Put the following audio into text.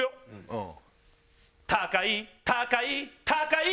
うん。